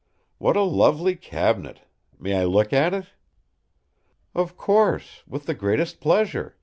"What a lovely cabinet! May I look at it?" "Of course! with the greatest pleasure!"